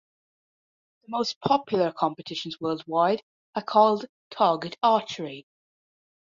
The most popular competitions worldwide are called target archery.